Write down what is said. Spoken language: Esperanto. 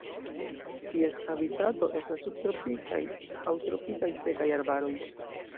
Ties habitato estas subtropikaj aŭ tropikaj sekaj arbaroj.